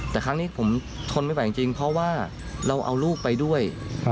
แต่ครั้งนี้ผมทนไม่ไหวจริงเพราะว่าเราเอาลูกไปด้วย